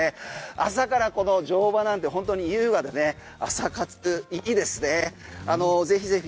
朝からこの乗馬なんて本当に優雅で朝活いいですね。